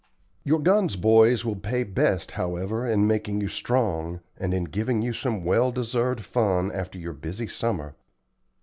Your guns, boys, will pay best, however, in making you strong, and in giving you some well deserved fun after your busy summer.